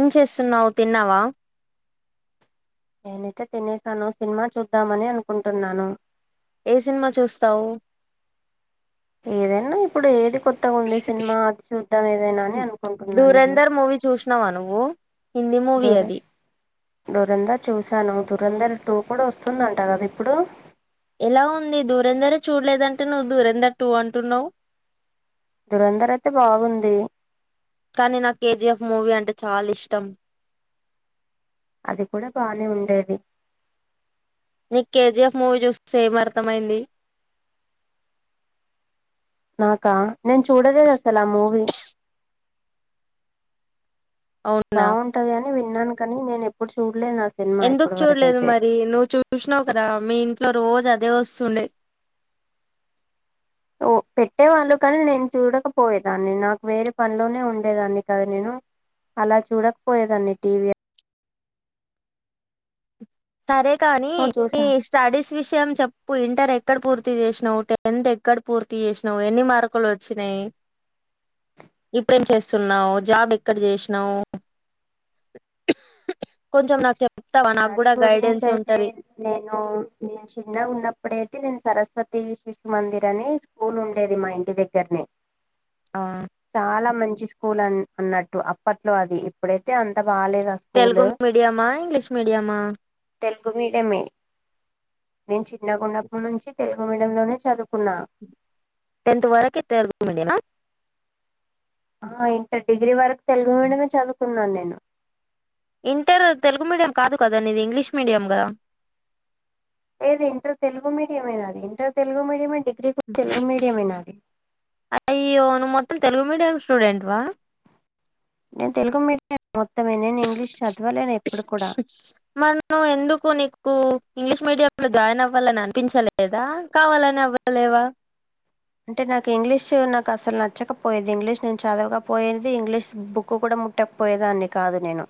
ఏం చేస్తున్నావ్ తిన్నావా నేనైతే తినేసాను సినిమా చూద్దామని అనుకుంటున్నాను ఏ సినిమా చూస్తావు ఏదైనా ఇప్పుడు ఏది కొత్తగా ఉంది సినిమా అది చూద్దాం ఏదైనా అని అనుకుంటున్నాను నేను ధూరేందర్ మూవీ చూసినావా నువ్వు హిందీ మూవీ దరం అది దురంధర్ చూశాను దురంధర్ టూ కూడా వస్తుందంట కదా ఇప్పుడు ఎలా ఉంది దూరందరే చూడలేదంటే నువ్వు దూరందర్ టూ అంటున్నావ్ దురంధర్ అయితే బాగుంది కానీ నాకు కేజీఎఫ్ మూవీ అంటే చాలా ఇష్టం అది కూడా బానే ఉండేది నీకు కేజిఎఫ్ మూవీ చూస్తే ఏం అర్థమైంది నాకా నేను చూడలేదు అసలు ఆ మూవీ అవునా బాగుంటది అని విన్నాను కానీ నేను ఎప్పుడు చూ ఎందుకు చూడలేదు మరి నువ్వు చూసినావు కదా మీ ఇంట్లో రోజు అ అదే వస్తుండే ఓ పెట్టేవాళ్ళు కానీ నేను చూడకపోయేదాన్ని నాకు వేరే పనిలోనే ఉండేదాన్ని కదా నేను అలా చూడకపోయేదాన్ని టీవీ సరే కాని నువ్వు ఈ చూసా స్టడీస్ విషయం చెప్పు ఇంటర్ ఏక్ ఎక్కడ పూర్తి చేసినావు టెన్త్ ఎక్కడ పూర్తి చేసినావు ఎన్ని మార్కులు వచ్చినాయి ఇప్పుడేం చేస్తున్నావు జాబ్ ఎక్కడ చేసినావు కొంచం నాకు చెప్తావా నాకు స్టడీ గురించి గైడెన్స్ అయితే ఉంటది నేను నేను చిన్నగ ఉన్న ఇప్పుడైతే నేను సరస్వతి శిశు మందిర్ అని స్కూల్ ఉండేది మా ఇంటి దగ్గరనే ఆ చాలా మంచి స్కూల్ అని అన్నట్టు అప్పట్లో అది ఇప్పుడైతే అంత బాలేదు ఆ తెలుగు స్కూల్ మీడియమా ఇంగ్లీష్ మీడియామా తెలుగు మీడియే నుంచి చిన్నగా ఉన్నప్పుడు నుంచి తెలుగు మీడియం మమిడంలోనే చదువుకున్నా టెన్త్ వరకే తెలుగు మీడియం ఇంటర్ డిగ్రీ వరకు తెలుగు మీడయమే చదువుకు ఉన్నాను నేను ఇంటర్ తెలుగు మీడియం కాదు కద నీ ఇది ఇంగ్లీష్ మీడియం కదా లేదు ఇంటర్ తెలుగు మీడిమేనాది ఇంటర్ తెలుగు మీడిమే డిగ్రీ డిగ్రీ తెలుగు మీడిమే నది అ అయ్యో నువ్వు మొత్తం తెలుగు మీడియం స్టూడెంట్ వా నేను తెలుగు మీడియం మొత్తమే నేను ఇంగ్లీష్ చదవలేను ఎప్పుడు కూడా మన్ను ఎందుకు నీకు ఇంగ్లీష్ మీడియం లో జాయిన్ అవ్వాలని అనిపించలేదా కావాలని అవ్వలేవా అంటే నాకు ఇంగ్లీష్ నాకు అసలు నచ్చకపోయేది ఇంగ్లీష్ నేను చదవకపోయేది ఇంగ్లీష్ బుక్ కూడా ముట్టకపోయేదాన్ని కాదు నేను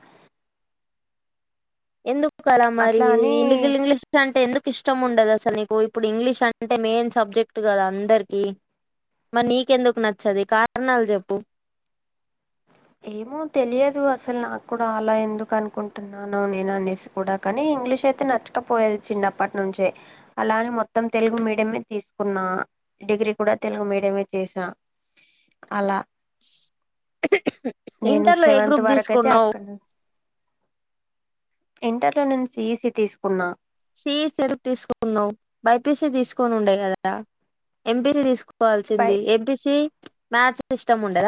ఎందుకు కలా మరి అట్లా అని ఇ ఇంగ్లీష్ అంటే ఎందుకు ఇష్టం ఉండదు అసలు నీకు ఇప్పుడు ఇంగ్లీష్ అంటే మెయిన్ సబ్జెక్ట్ కదా అందరికి మరి నీకెందుకు నచ్చది కారణాలు చెప్పు ఏమో తెలియదు అసలు నాకు కూడా. అలా ఎందుకు అనుకుంటున్నానో నేను అనేసి కూడా, కానీ ఇంగ్లీష్ అయితే నచ్చకపోయేది. చిన్నప్పటినుంచే అలా అని మొత్తం తెలుగు మీడియం ఏ తీసుకున్నాను. డిగ్రీ కూడా తెలుగు మీడియంలోనే చేశా, అలా. [inaudible] నేను ఇంటర్ లో ఏ సెవెంత్ గ్రూప్ వరకు అయితే తీసుకున్నావు అక్కడనుంచ. ఇంటర్‌లో నేను సీఈసీ తీసుకున్నా. సీఈసీ ఎందుకు తీసుకున్నావు? బైపీసీ తీసుకోనుండే కదా? ఎంపీసీ తీసుకో. పై కోవాల్సింది ఎంపీసీ. మ్యాథ్స్ ఇష్టం ఉందా?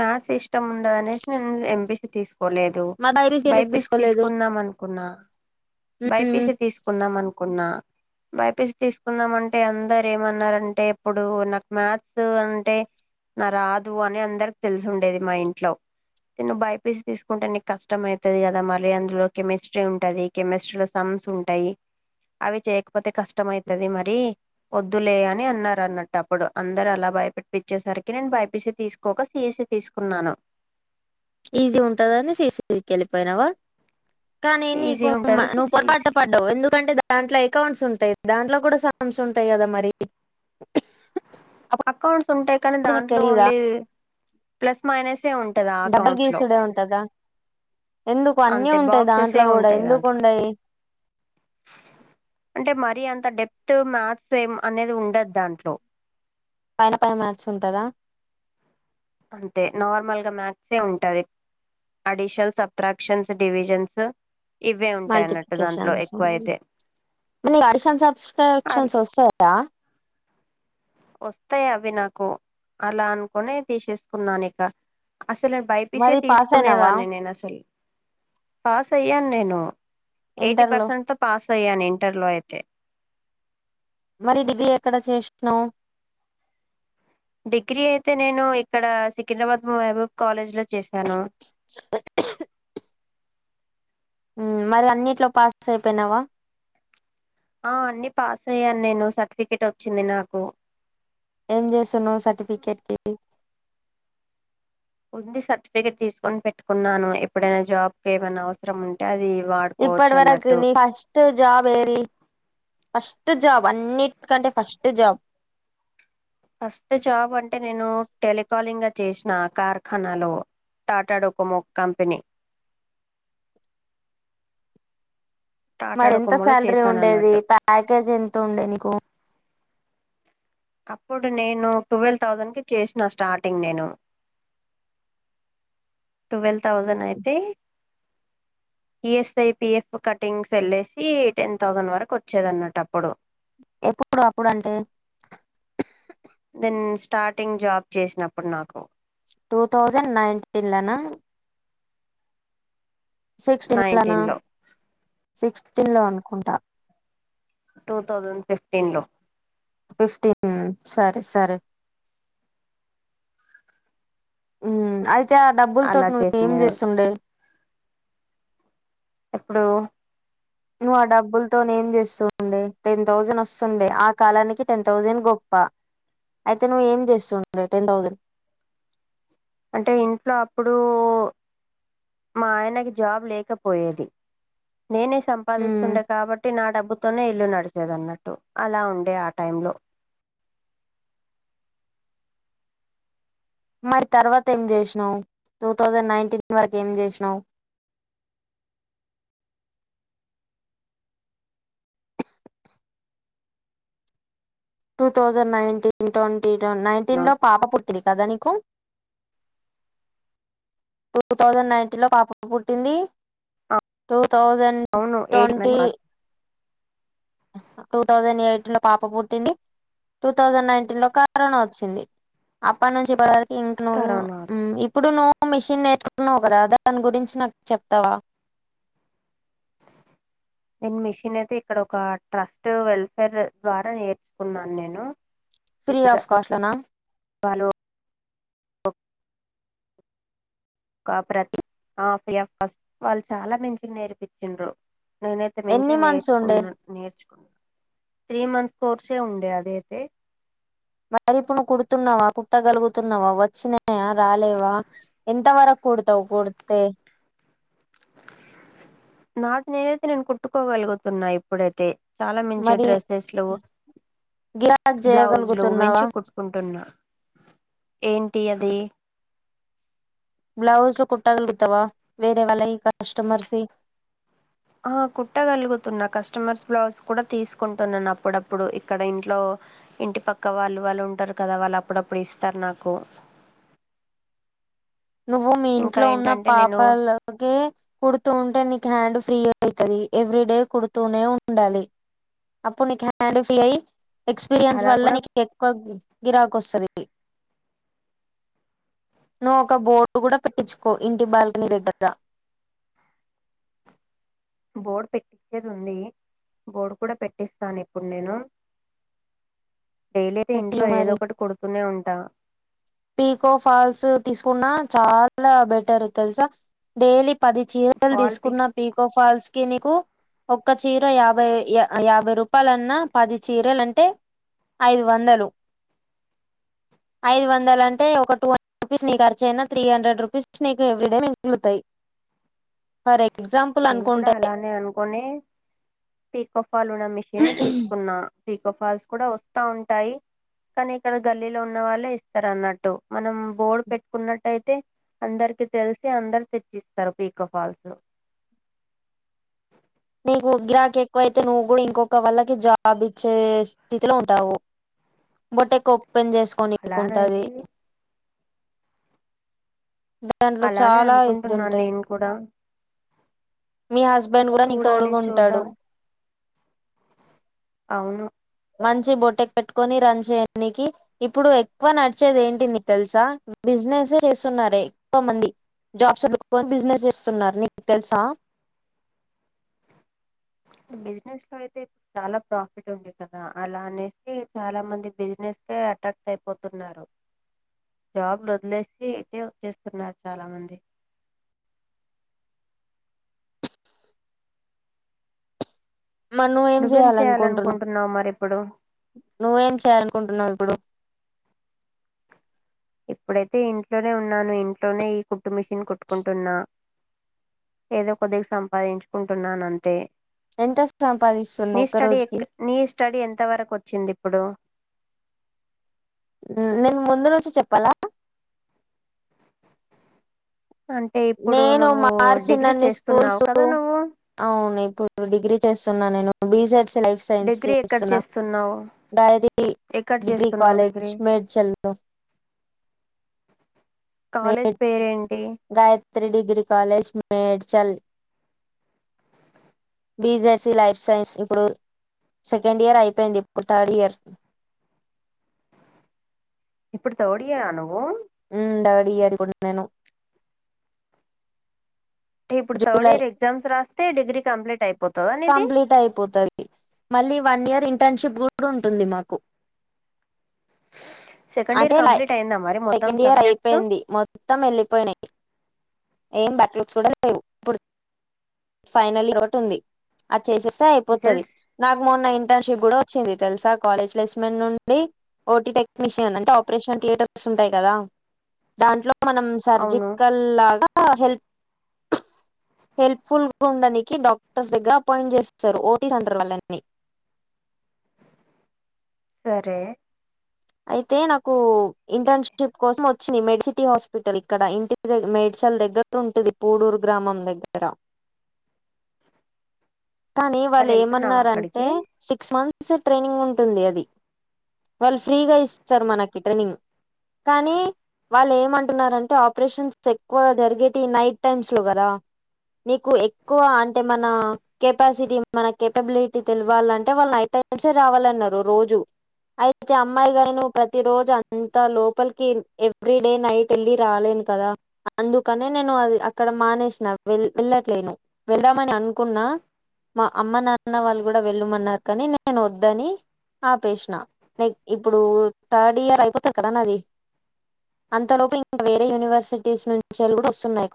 మ్యాథ్స్ ఇష్టం ఉండదు అనేసి నేను ఎంపీసీ తీసు. కోలేదు, మరి ఎందుకు బైపీసీ తీసుకోలేదు తీసుకుందాం అనుకున్నా. బైపీసీ తీసుకుందాం అన్నా. కున్నా బైపీసీ తీసుకుందాం అంటే, అందరూ ఏమన్నారు అంటే, ఇప్పుడు నాకు మ్యాథ్స్ అంటే నా రాదు అని అందరిక. తెలుసుండేది మా ఇంట్లో, నేను బైపీసీ తీసుకుంటే నీకు కష్టం అయితది కదా? మరి అందులో కెమిస్ట్రీ ఉంటది. కెమిస్ట్రీలో స‌మ్స్ ఉంటాయి. అవి చేయకపోతే కష్ట. కష్టం అయితది మరి. వద్దులే అని అన్నరన్నట్టు అప్పుడు, అందరు అలా భయపెట్టిచ్చేసరికి, నేను బైపీసీ తీసకోక సీ. సీఈసీ తీసుకున్నాను. ఈజీ ఉంటుంది అని, సీఈసీకి వెళ్లిపోయావా? కానీ ఈజీ నీకు మా ఉంటదనేసి నువ్వు పొరపాటు సిఎస్సి పడ్డావు, ఎందుకంటే. [unintelligible] దాంట్లో అకౌంట్స్ ఉంటాయి. దాంట్లో కూడా స‌మ్స్ ఉంటాయి కదా మరి? అకౌంట్స్ ఉంటాయి, కానీ అప్పుడు నీకు దాంట్లో ఓన్లీ. Plus minus. డబుల్ గిస్సుడే ఉంటదా? ఎందుకు అన్నీ అంతే ఉంటాయి బాక్సెసే దాంట్లో గూడా ఉంటాయి దాంట్లో ఎందుకుండయి? అంటే మరీ అంత డెప్త్ మ్యాథ్స్ ఏం అనేది ఉండదు దాంట్లో. పైన పైన మ్యాథ్స్ ఉంటదా? అంతే నార్మల్ గా మ్యాథసే ఉంటది. అడిషన్స్, సబ్ట్రాక్షన్స్, డివిజన్స్ సు. మల్టిప్లికేషన్స్, మరి అడిషన్స్, అల్ సబ్ట్రాక్షన్స్ వస్తాయా? వస్తాయి. అవి నాకు అలా అనుకునే తేశేసుకున్నా ఇక. అసలు నేన్ బైపిసే మరి పాస్ అయినావా తీసుకునేదాన్ని నేను అసలు. పాస్ అయ్యాన. నేను. ఎయిటీ ఇంటర్ లో పర్సెంట్ తో పాస్ అయ్యాను, ఇంటర్లో అయితే. మరి డిగ్రీ ఎక్కడ చేశ్నావ్? డిగ్రీ అయితే నేను ఇక్కడ సికింద్రాబాద్ మోయాబు కాలేజీలో చేశాను. మరి అన్నిట్లో పాస్ అయిపోయినావా? ఆ అన్ని పాస్ అయ్యాను నేను, సర్టిఫికేట్ వచ్చింది నాకు. ఏం జేస్తున్నావ్ సర్టిఫికేట్‌కి? ఉంది. సర్టిఫికేట్ తీసుకొని పెట్టుకున్నాను. ఎప్పుడైనా జాబ్ కే ఏవనా అవసరం ఉంటే, అది. ఇప్పుడ వాడుకోవచ్చు వరకు అన్నట్టు నీ ఫస్ట్ జాబ్ ఏది? ఫస్ట్ జాబ్ అన్నిటికంటే first. First job. First job అంటే నేను టెలికాలింగ్ చేసిన కార్ఖానాలో టాటా డొకమోక్ కంపెనీ టాటా మరి ఎంత డోకోమోలో శాలరీ చేశాను ఉండేది అన్నట్టు ప్యాకేజ్ ఎంత ఉండే నీకు అప్పుడు నేను టువల్ థౌసండ్ కి చేసిన స్టార్టింగ్ నేను టువల్ థౌజండ్ అయితే P S I P F cuttings వెల్లేేసి టెన్ థౌసండ్ వరకు వచ్చేది అన్నమాట అప్పుడు ఎప్పుడు అప్పుడు అంటే దెన్ స్టార్టింగ్ జాబ్ చేసినప్పుడు నాకు టూ తౌసండ్ నైన్టీన్లోనా సిక్స్టీన్ లోన నైన్టీన్ లో సిక్స్టీన్ లో అనుకుంటా టూ థౌజండ్ ఫిఫ్టీన్ లో ఫిఫ్టీన్ సరే సరే అయితే ఆ డబ్బుల అలా తోటి నువ్వు ఏం చేసినారు చేస్తుండే ఇప్పుడు నువ్ ఆ డబ్బులతో ఏం చేస్తుండే టెన్ థౌజండ్ వస్తుండే ఆ కాలానికి టెన్ థౌసండ్ గొప్ప అయితే నువ్్వ ఏం చేస్తుండే టెన్ థౌజండ్ అంటే ఇంట్లో అప్పుడు మా ఆయనకి జాబ్ లేకపోయేది నేనే హ్మ్. సంపాదిస్తుండే కాబట్టి నా డబ్బు తనే ఇల్లు నడిచేదన్నట్టు అలా ఉండే ఆ టైమ్ లో మరి తర్వాత ఏం చేసినావ్ టూ థౌజండ్ నైన్టీన్ వరకు ఏం చేసినావు two thousand nineteen twenty లో నైన్టీన్ లో పాప పుట్టింది కదా నీకు టూ థౌజండ్ నైన్టీన్ లో పాప పుట్టింది టూ థౌజండ్ అవును ఏడు ట్వంటీ టూ థౌజండ్ ఎయిటీన్ లో పాప పుట్టింది. టూ థౌజండ్ నైన్టీన్ లో కరోనా వచ్చింది అప్పుడు నుంచి ఇప్పటి వరకు ఇంట్లోన కరోనా మ్మ్ ఇప్పుడు నువ్వు మిషిన్ నేర్చుకున్నావు కదా దాని గురించి నాకు చెప్తావా నేను మిషనే అయితే ఇక్కడ ఒక ట్రస్ట్ వెల్ఫేర్ ద్వారా నేర్చుకున్నాను నేను ఫ్రీ ఆఫ్ కాస్ట్ లోనా వాళ్ళు కాఫ్ రా ఆ [inaudible] వాళ్ళు చాలా మించి నేర్పించిండ్రు నేనైతే ఎన్ని మించిగా మంత్స్ ఉండే నేర్చుకున్నా నేర్చుకున్నాను త్రీ మంత్స్ కోర్సే ఉండే అదయితే మరిప్పుడు నువ్ కుడుతున్నావా? కుట్టగలుగుతున్నావా? వచ్చినాయా, రాలేవా ఎంతవరకు కుడతావు కుడితే నాకు నేనైతే నేను కుట్టుకోగలుగుతున్నా ఇప్పుడైతే చాలా మంచి మరి డ్రెస్సెస్లు, గిరాక్ బ్లౌజ్ లు చేయగలుగుతున్నావా మించి కుట్టుకుంటున్నా ఏంటి అది బ్లౌజు కుట్టగలుగుతావా వేరే వాళ్ళవి కస్టమర్సీ అహ కుట్టగలుగుతున్నా. కస్టమర్స్ బ్లౌస్ కూడా తీసుకుంటున్నాను అప్పుడప్పుడు ఇక్కడ ఇంట్లో ఇంటి పక్క వాళ్ళు వాళ్ళు ఉంటారు కదా వాళ్ళు అప్పుడప్పుడు ఇస్తారు నాకు నువ్వు మీ ఇంకా ఇంట్లో ఉన్న ఏంటంటే నేను పాపాలకి కుడుతూ ఉంటే నీకు హ్యాండ్ ఫ్రీ అవుతుది ఎవ్రీ డే కుడుతూనే ఉండాలి అప్పుడు నీకు హ్యాండ్ ఫ్రీ అయి ఎక్స్పీరియన్స్ అలా వల్ల కూడా నీకు ఎక్కువ గిరాకు వస్తుంది ఎ నువ్ ఒక బోర్డు కూడా పెట్టించుకో ఇంటి బాల్కనీ దగ్గర బోర్డు పెట్టించేది ఉంది బోర్డు కూడా పెట్టిస్తాను ఇప్పుడు నేను డైలీ అయితే పెట్టియు ఇంట్లో ఏదో ఒకటి కొడుతూనే ఉంటా పికో ఫాల్స్ తీసుకున్నా చాలా బెటర్ తెలుసా డైలీ పది చీరలు ఫాల్ తీసుకున్న పిక్స్ పీకో ఫాల్స్ ఒ చీర యాభై యాభై రూపాయలున్నా పది చీరలుంటే ఐదు వందలు పందాలంటే ఒక టూ హండ్రెడ్ రూపీస్ నీ ఖచ అయినా త్రీ హండ్రెడ్ రూపీస్ నీకు ఎవ్రీ డే ఇంక్లువుతాయి ఫర్ ఎగ్జాంపుల్ అనుకుంటే పక్ఫ పలునా మిషన్ తీసుకున్నా పకో ఫాల్స్ కూడా వస్తా ఉంటాయి కానీ ఇక్కడ గల్లీలో ఉన్న వాళ్ళే ఇస్తారు అన్నట్టు మనం బోర్డు పెట్టుకున్నట్టుయితే అందరికి తెలిసి అందరు తెచ్చిస్తారు పకో ఫాల్స్ నీకు గ్రాహక ఎక్కువైతే నువ్వు కూడా ఇంకొక వాళ్ళకి జాబ్ ఇచ్చే స్థితిలో ఉంటావు బొట్ట ఎక్కు పెన్ అలా చేసుకొనికుంటుంది అనేసి దాంట్లో అలానే చాలా ఇది అనుకుంటున్నాను ఉంటాయి. నేను కూడా మీ హస్బెండ్ కూడా నీకు చూడాలి తోడుగుంటాడు చూద్దాం అవును మంచి బొట్టె పెట్టుకొని రన్ చేయడానికి ఇప్పుడు ఎక్కువ నడిచేది ఏంటి నీ తెలుసా బిజినెసే చేస్తున్నారురే ఎక్కువ మంది జాబ్స్ బిజినెస్ చేస్తున్నారు నీకు తెలుసా బిజినెస్ లో అయితే ఇప్పుడు చాలా ప్రాఫిట్ ఉండంది కదా అలానే అ చాలా మంది బిజినెస్ అట్రాక్ట్ అయిపోతున్నారు జాబ్లు వదిలేసి అయిత వచ్చేస్తున్నారు చాలా మంది మరి నువ్వేం చేయాలనుకుంటున్నావు నువ్వేం చేయాలనుకుంటున్నావు ఇప్పుడు ఇప్పుడైతే ఇంట్లోనే ఉన్నాను ఇంట్లోనే ఈ కుట్టు మిషన్ కుట్టుకుంటున్నా ఏదో కొద్దిగా సంపాదించుకుంటున్నాను అంతే ఎంత నీ సంపాదిస్తున్నావు ఒక స్టడీ రోజుకి? నీ స్టడీ ఎంత వరకు వచ్చింది ఇప్పుడు నేను ముందు నుంచి చెప్పాలా అంటే ఇప్పుడు నేను నువ్వు డిగ్రీ మార్చిందన్ని చేస్తున్నావు స్కూల్స్ కదా నువ్వు అవును ఇప్పుడు డిగ్రీ చేస్తు న్నా నేను బీజెట్స్ లైఫ్ సైన్స్ డిగ్రీ ఎక్కడ చేస్తున్నా చేస్తున్నావు త్ర ఎక్కడ డిగ్రీ చేస్తున్నావు కాలేజ్ డిగ్రీ మేడ్చల్ కాలేజ్ మడ్ పేరేంటి గాయత్ర three degree college Medchal BZC life science ఇప్పుడు సెకండ్ ఇయర్ అయిపోయింది ఇప్పుడు థర్డ్ ఇయర్ ఇప్పుడు తోడయ్యా నువ్వు అంటే తాడి అనికుంటన్నాను అంట ఇప్పుడు థర్డ్ ఇయర్ ఎగ్జామ్ రాస్త డిగ్ర కంప్లీట్యి కంప్లీట్ అయిపోతది మళ్ళీ వన్ ఇయర్ ఇం టర్న్షిప్ కూడా ఉంటుంది మాకు సెకండ్ అంటే ఇయర్ లైక్ కంప్లీట్ అయిందా మరి మొత్తం సెకండ్ ఇయర్ సబ్జెక్ట్స్ అయిపోయింది మొత్తం వెళ్ళిపోయినయి ఏం బ్యాక్లాగ్స్ కూడా లేవు ఇప్పుడు ఫైనల్ ఒకటి ఉంది చేసేస్తే అయిపోతది రిజల్ట్స్ నాకు మొన్న ఇంటి టర్న్షిప్ కూడా వచ్చింది తెలుసా కాలేజ్ ప్లేస్మెంట్ నుండి ఓటీ అంటే ఆపరేషన్ థియేటర్స్ ఉంటాయి కదా దాంట్లో మనం అవును సర్జికల్ లాగా ఆ హెల్ప్ హెల్ప్ ఫుల్ గా ఉండనికి డాక్టర్స్ దగ్గర అపాయింట్ చేస్తారు ఓటీస్ అంటరు వాళ్ళని సరే అయితే నాకు ఇంటర్న్షిప్ కోసం ఒ వచ్చింది మెడిసిటీ హాస్పిటల్ ఇక్కడ ఇంటికి మేడ్చల్ దగ్గర ఉంటది పూడూరు గ్రామం దగ్గర కానీ మరి వాళ్ళు వెళ్తున్నావా ఏమన్నారంటే అక్కడికి సిక్స్ మంత్స్ ఒకసారి ట్రైనింగ్ ఉంటుంది అది వాళ్ళు ఫ్రీగా ఇస్తారు మనకి ట్రైనింగ్ కానీ వాళ్ళు ఏమంటున్నారంటే ఆపరేషన్స్ ఎక్కువ జరిగేటి నైట్ టైమ్స్లో కదా నీకు ఎక్కువ అంటే మన కెపాసిటీ మన కెపబిలిటీ తెలవాలంటే వాళ్ళు నైట్ టైమ్సే రావాలన్నారు రోజు అయితే అయితే అమ్మాయి వయి ప్రతి రోజు అంతా లోపలికి ఎవ్రీ డే నైట్ వెళ్ళి రాలేను కదా అందుకనే నేను అది అక్కడ మానేసిన వె వెళ్ళట్లేను వెళ్దామని అనుకున్నా మా అమ్మ నాన్న వాళ్ళు కూడా వెళ్ళమన్నారు కానీ నేను వద్దని ఆపేసిన లైక్ ఇప్పుడు థర్డ్ ఇయర్ అయిపోతది కదా నాది అంతలోపు ఇంకా వేరే యూనివర్సిటీస్ నుంచెల్లి కూడా వస్తున్నాయి